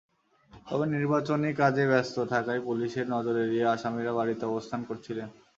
তবে নির্বাচনী কাজে ব্যস্ত থাকায় পুলিশের নজর এড়িয়ে আসামিরা বাড়িতে অবস্থান করছিলেন।